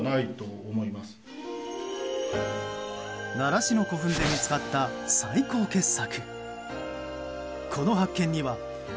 奈良市の古墳で見つかった最高傑作。